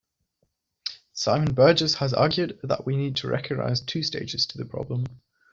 Simon Burgess has argued that we need to recognize two stages to the problem.